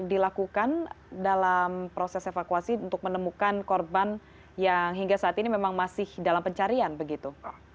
dilakukan dalam proses evakuasi untuk menemukan korban yang hingga saat ini memang masih dalam pencarian begitu